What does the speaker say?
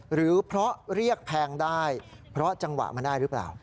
หรือเพราะเรียกแพงได้เพราะจังหวะมันได้หรือเปล่า